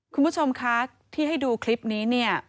คุณผู้ชมคะที่ให้ดูคลิปนี้เนี่ย